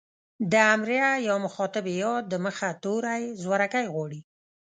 د امريه يا مخاطبې ئ د مخه توری زورکی غواړي.